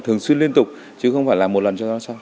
thường xuyên liên tục chứ không phải là một lần cho nó xong